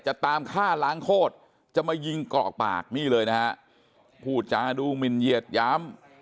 จะตามฆ่าล้างโคตรจะมายิงกรอกปากนี่เลยนะฮะพูดจาดูหมินเหยียดย้ำ